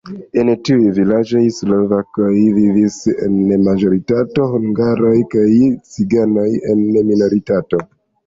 En tiuj vilaĝoj slovakoj vivis en majoritato, hungaroj kaj ciganoj en minoritato.